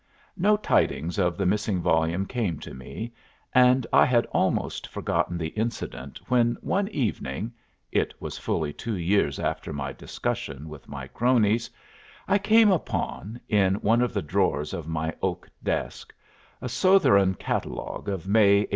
No tidings of the missing volume came to me, and I had almost forgotten the incident when one evening (it was fully two years after my discussion with my cronies) I came upon, in one of the drawers of my oak chest, a Sotheran catalogue of May, 1871.